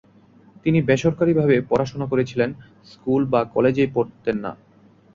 তিনি বেসরকারীভাবে পড়াশোনা করেছিলেন, স্কুল বা কলেজেই পড়তেন না।